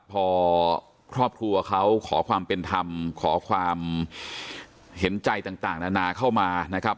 พอครอบครัวเขาขอความเป็นธรรมขอความเห็นใจต่างนานาเข้ามานะครับ